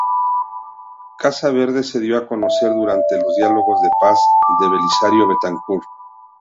Casa Verde se dio a conocer durante los diálogos de paz de Belisario Betancur.